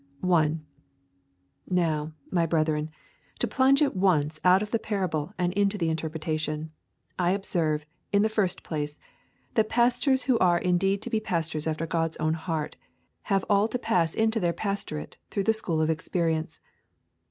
1. Now, my brethren, to plunge at once out of the parable and into the interpretation, I observe, in the first place, that pastors who are indeed to be pastors after God's own heart have all to pass into their pastorate through the school of experience.